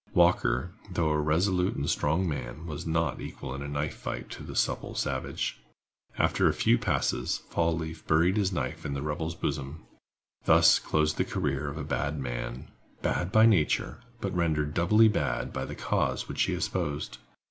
Walker, though a resolute and strong man, was not equal in a knife fight to the supple savage. After a few passes, Fall leaf buried his knife in the rebel's bosom. Thus closed the career of a bad man—bad by nature, but rendered doubly bad by the cause which he espoused.